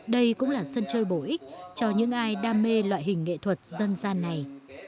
đây cũng là sân chơi bổ ích cho những ai đam mê loại hình nghệ thuật dân gian này